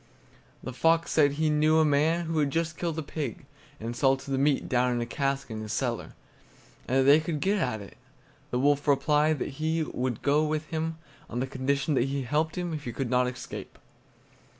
The fox said he knew a man who had just killed a pig, and salted the meat down in a cask in his cellar, and that they could get at it. The wolf replied that he would go with him on condition that he helped him if he could not escape.